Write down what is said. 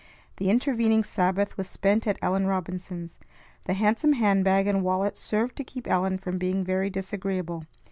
The intervening Sabbath was spent at Ellen Robinson's. The handsome hand bag and wallet served to keep Ellen from being very disagreeable.